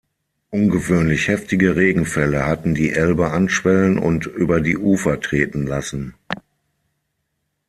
Ungewöhnlich heftige Regenfälle hatten die Elbe anschwellen und über die Ufer treten lassen.